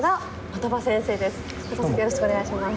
よろしくお願いします。